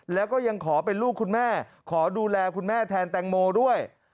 แล้วก็ยังขอเป็นลูกคุณแม่ขอดูแลคุณแม่แทนแตงโมด้วย